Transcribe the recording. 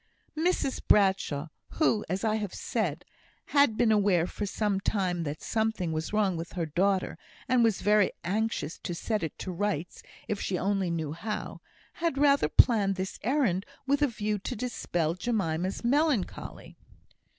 Mrs Bradshaw, who, as I have said, had been aware for some time that something was wrong with her daughter, and was very anxious to set it to rights if she only knew how, had rather planned this errand with a view to dispel Jemima's melancholy.